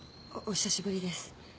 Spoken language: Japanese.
お久しぶりです。